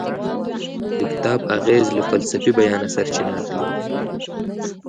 د کتاب اغیز له فلسفي بیانه سرچینه اخلي.